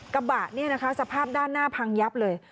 กระบะสภาพด้านหน้าพังยับเลย